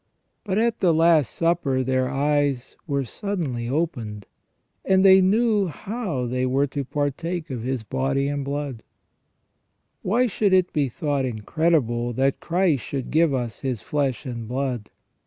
But at the Last Supper their eyes were suddenly opened, and they knew how they were to partake of His body and blood. THE REGENERATION OF MAN. 369 Why should it be thought incredible that Christ should give us His flesh and blood